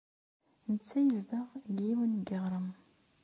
Netta yezdeɣ deg yiwen n yeɣrem.